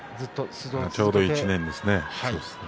ちょうど１年ですね。